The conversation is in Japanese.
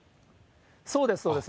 そうです、そうです。